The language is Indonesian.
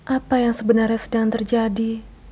apa yang sebenarnya sedang terjadi